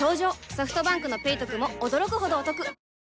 ソフトバンクの「ペイトク」も驚くほどおトク